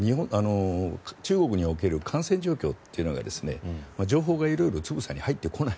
中国における感染状況というのが情報が色々つぶさに入ってこない。